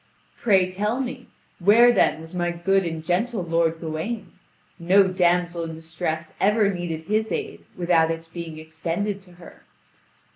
"Pray tell me. Where then was my good and gentle lord Gawain? No damsel in distress ever needed his aid without its being extended to her."